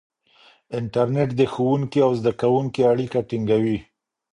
انټرنیټ د ښوونکي او زده کوونکي اړیکه ټینګوي.